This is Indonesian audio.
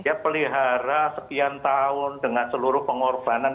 dia pelihara sekian tahun dengan seluruh pengorbanan